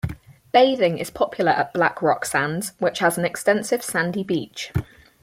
Bathing is popular at Black Rock Sands, which has an extensive sandy beach.